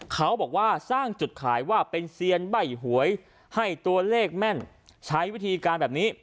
เขาบอกว่าสร้างจุดขายว่าเป็นเซียนใบ้หวยให้ตัวเลขแม่นใช้วิธีการแบบนี้